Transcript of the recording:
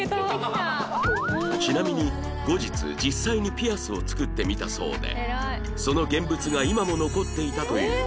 ちなみに後日実際にピアスを作ってみたそうでその現物が今も残っていたという